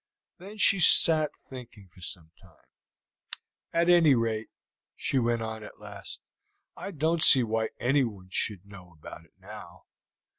Then she sat thinking for some time. "At any rate," she went on at last, "I don't see why anyone should know about it now.